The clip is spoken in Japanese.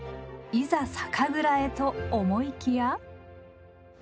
いざ酒蔵へと思いきや。